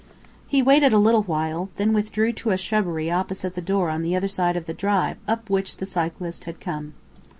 He waited a little while, then withdrew to a shrubbery opposite the door on the other side of the drive up which the cyclist had come.